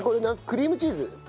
クリームチーズ？